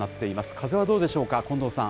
風はどうでしょうか。